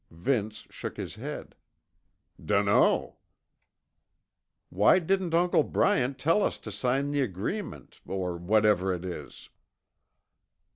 Vince shook his head. "Dunno." "Why didn't Uncle Bryant tell us to sign the agreement, or whatever it is?"